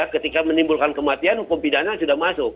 ketika menimbulkan kematian hukum pidana sudah masuk